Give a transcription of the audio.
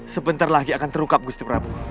sebentar lagi akan terungkap gusti prabu